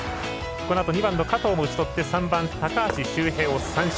このあと２番の加藤も打ち取って３番、高橋周平を三振。